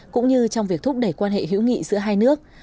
cũng như trong việc thúc đẩy quan hệ hữu nghị giữa hai nước